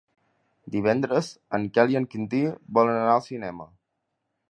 Divendres en Quel i en Quintí volen anar al cinema.